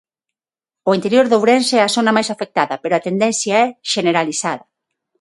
O interior de Ourense é a zona máis afectada, pero a tendencia é xeneralizada.